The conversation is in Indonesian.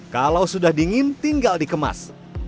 kalau sudah dingin tinggal dikemas